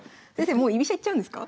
もう居飛車いっちゃうんですか？